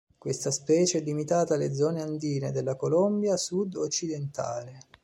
Questa specie è limitata alle zone andine della Colombia sud-occidentale.